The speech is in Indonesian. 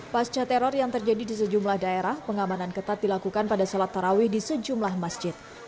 pasca teror yang terjadi di sejumlah daerah pengamanan ketat dilakukan pada sholat tarawih di sejumlah masjid